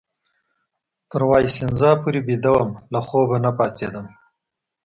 تر وایسینزا پورې بیده وم، له خوبه نه پاڅېدم.